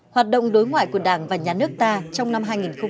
hoạt động đối ngoại của đảng và nhà nước ta trong năm hai nghìn một mươi chín